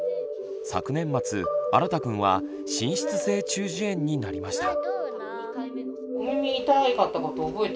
昨年末あらたくんは滲出性中耳炎になりました。